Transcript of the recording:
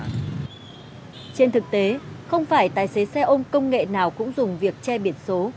trên thực tế không phải tài xế xe ôm công nghệ nào cũng dùng việc che biển số